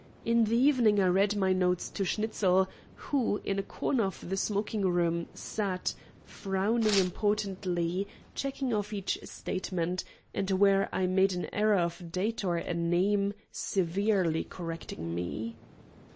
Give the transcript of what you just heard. In the evening I read my notes to Schnitzel, who, in a corner of the smoking room, sat, frowning importantly, checking off each statement, and where I made an error of a date or a name, severely correcting me.